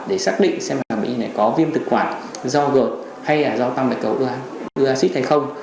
để xác định xem là bệnh này có viêm thực quản do gợt hay là do thăng bình khẩu oaxid hay không